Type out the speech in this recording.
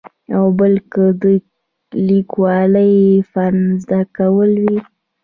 او بل که د لیکوالۍ فن زده کول وي.